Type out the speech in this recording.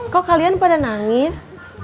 kok kalian pada nangis